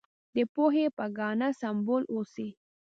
د پوهې په ګاڼه سمبال اوسئ.